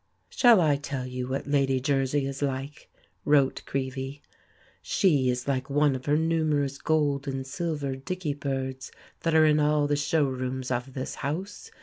"Shall I tell you what Lady Jersey is like?" wrote Creevey. "She is like one of her numerous gold and silver dicky birds that are in all the showrooms of this house.